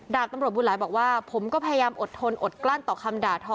ดาบตำรวจบุญหลายบอกว่าผมก็พยายามอดทนอดกลั้นต่อคำด่าทอ